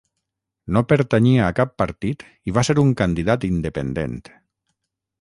No pertanyia a cap partit i va ser un candidat independent.